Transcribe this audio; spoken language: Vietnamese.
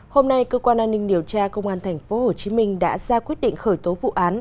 hôm nay cơ quan an ninh điều tra công an tp hcm đã ra quyết định khởi tố vụ án